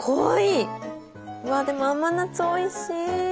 うわでも甘夏おいしい。